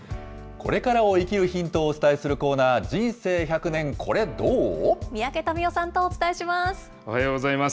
これからを生きるヒントをお伝えするコーナー、人生１００年、三宅民夫さんとお伝えします。